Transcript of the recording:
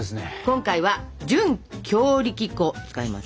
今回は準強力粉を使います。